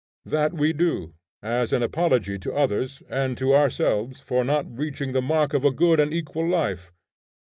That we do, as an apology to others and to ourselves for not reaching the mark of a good and equal life.